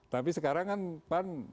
tapi sekarang kan pan